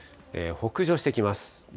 北上してきます。